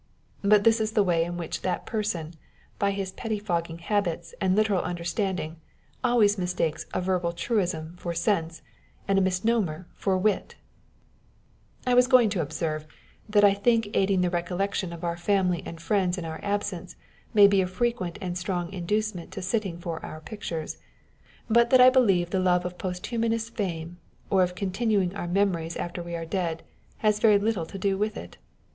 But this is the way in which that person, by his pettifogging habits and literal understanding, always mistakes a verbal truism for sense, and a misnomer for wit ! I was going to observe, that I think the aiding the recollection of our family and friends in our absence may be a frequent and strong inducement to sitting for our pictures ; but that I believe the love of posthumous fame, or of continuing our memories after we are dead, has very little to do with it.